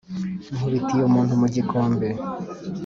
nkubitiye umuntu mu gikombe,